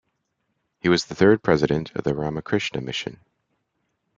He was the third president of the Ramakrishna Mission.